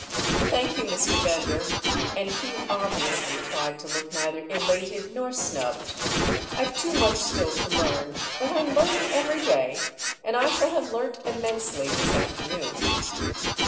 "Thank you, Mr. Bender!"—and Hugh obviously tried to look neither elated nor snubbed. "I've too much still to learn, but I'm learning every day, and I shall have learnt immensely this afternoon."